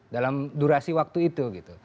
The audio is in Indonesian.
dalam durasi waktu itu gitu